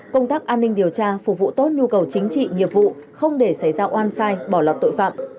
công tác an ninh điều tra phục vụ tốt nhu cầu chính trị nghiệp vụ không để xảy ra oan sai bỏ lọt tội phạm